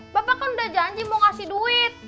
bapak kan udah janji mau ngasih duit